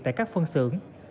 tại các phân xưởng